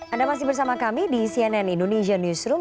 anda masih bersama kami di cnn indonesia newsroom